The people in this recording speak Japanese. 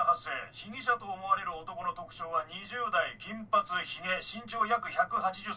被疑者と思われる男の特徴は２０代金髪ヒゲ身長約１８０ｃｍ。